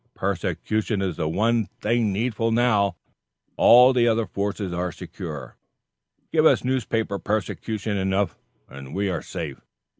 Persecution is the one thing needful, now all the other forces are secured. Give us newspaper persecution enough, and we are safe.